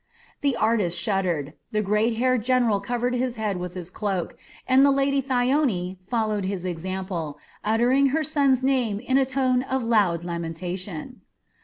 The artist shuddered; the gray haired general covered his head with his cloak, and the Lady Thyone followed his example, uttering her son's name in a tone of loud lamentation.